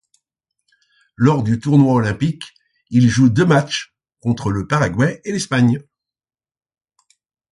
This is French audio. Lors du tournoi olympique, il joue deux matchs, contre le Paraguay et l'Espagne.